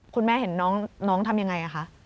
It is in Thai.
คุณแม่เห็นน้องทำยังไงคะ